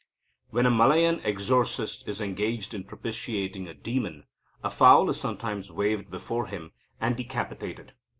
When a Malayan exorcist is engaged in propitiating a demon, a fowl is sometimes waved before him, and decapitated.